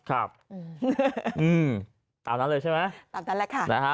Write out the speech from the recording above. ครับอืมตามนั้นเลยใช่ไหมตามนั้นแหละค่ะนะฮะ